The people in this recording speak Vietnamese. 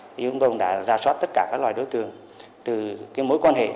vì vùng vùng đã rà soát tất cả các loài đối tượng từ mối quan hệ